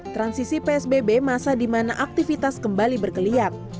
transisi psbb masa di mana aktivitas kembali berkelihat